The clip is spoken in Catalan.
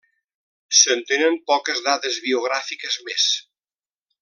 Se'n tenen poques dades biogràfiques més.